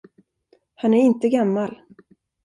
Han är inte gammal.